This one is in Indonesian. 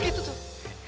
tuh begitu tuh